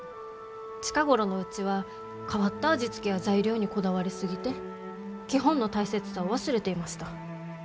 近頃のうちは変わった味付けや材料にこだわり過ぎて基本の大切さを忘れていました。